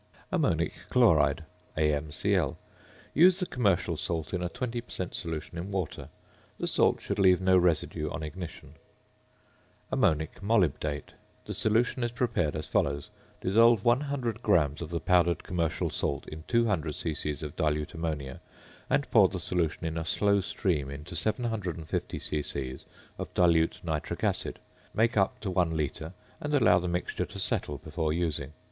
~Ammonic Chloride~, AmCl. Use the commercial salt in a 20 per cent. solution in water. The salt should leave no residue on ignition. ~Ammonic Molybdate.~ The solution is prepared as follows: Dissolve 100 grams of the powdered commercial salt in 200 c.c. of dilute ammonia, and pour the solution in a slow stream into 750 c.c. of dilute nitric acid; make up to 1 litre, and allow the mixture to settle before using.